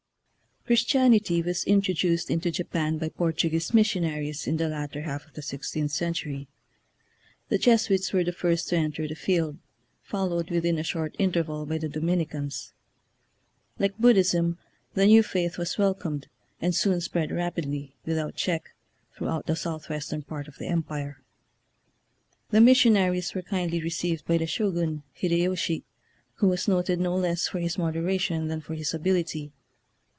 Christianity was introduced into Japan by Portuguese missionaries in the latter half of the sixteenth century. The Jesu its were the first to enter the field, fol lowed within a short interval by the Dominicans. Like Buddhism, the new faith was welcomed, and soon spread rapidly, without check, throughout the southwestern part of the Empire. The missionaries were kindly received by the Shogun, Hiydeyoshi, who was noted no less for his moderation than for his abil ity.